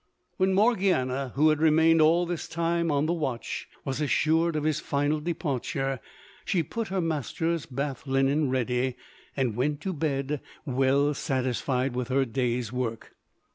When Morgiana, who had remained all this time on the watch, was assured of his final departure, she put her master's bath linen ready, and went to bed well satisfied with her day's work.